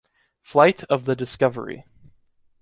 Flight of the Discovery.